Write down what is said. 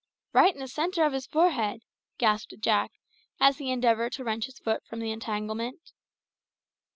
"Right in the centre of his forehead," gasped Jack, as he endeavoured to wrench his foot from the entanglement.